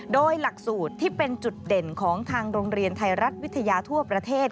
โดยหลักสูตรที่เป็นจุดเด่นของทางโรงเรียนไทยรัฐวิทยาทั่วประเทศ